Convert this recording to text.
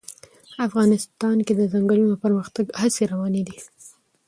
افغانستان کې د ځنګلونه د پرمختګ هڅې روانې دي.